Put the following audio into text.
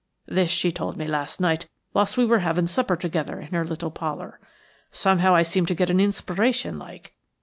This she told me last night whilst we were having supper together in her little parlour. Somehow I seemed to get an inspiration like.